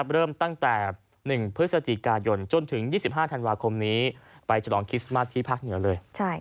เริ่มตั้งแต่๑พฤศจิกายนจนถึง๒๕ธันวาคมนี้ไปฉลองคริสต์มัสที่ภาคเหนือเลย